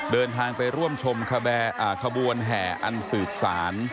เดินทางไปร่วมชมขบวนแห่อันสืบสาร